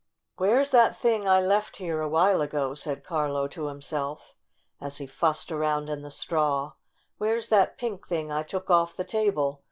"Where's that thing I left here a while ago?" said Carlo to himself, as he fussed around in the straw. "Where's that pink thing I took off the table